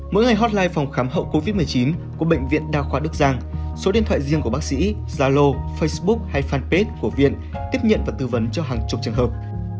mỗi ngày hotline phòng khám hậu covid một mươi chín của bệnh viện đa khoa đức giang số điện thoại riêng của bác sĩ gia lô facebook hay fanpage của viên tiếp nhận và tư vấn cho hàng chục trường hợp